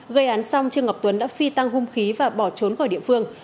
gây án xong trương ngọc tuấn đã phi tăng hung khí và bỏ trốn khỏi địa phương